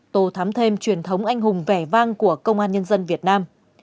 tô thám thêm truyền thống anh hùng vẻ vang của công an nhân dân việt nam